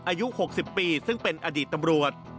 อายุ๖๐ปีซึ่งเป็นอดีตตำรวจ